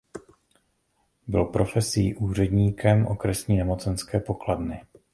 Byl profesí úředníkem okresní nemocenské pokladny.